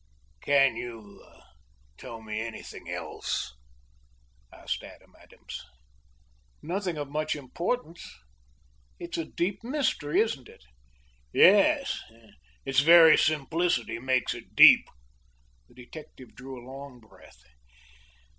"Can you tell me anything else?" asked Adam Adams. "Nothing of much importance. It's a deep mystery, isn't it?" "Yes, it's very simplicity makes it deep." The detective drew a long breath.